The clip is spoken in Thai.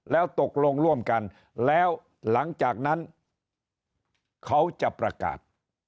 แล้วตกลงร่วมกันแล้วหลังจากนั้นเขาจะประกาศ